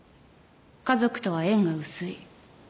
家族とは縁が薄い。